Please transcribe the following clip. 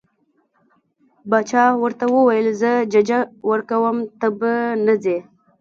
باچا ورته وویل زه ججه ورکوم ته به نه ځې.